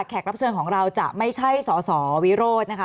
รับเชิญของเราจะไม่ใช่สสวิโรธนะคะ